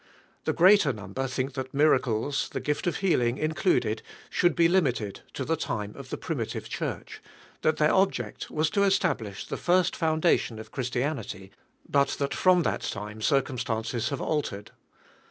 The greater number think that miracles, the gift of heating includ ed, should be limited to the time of the primitive Church, that their object was to establish the first foundation of Chris tianity, but that from that time tin urn stances have altered.